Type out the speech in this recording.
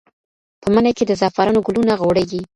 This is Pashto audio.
په مني کې د زعفرانو ګلونه غوړېږي.